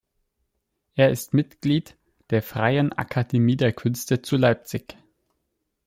Er ist Mitglied der Freien Akademie der Künste zu Leipzig.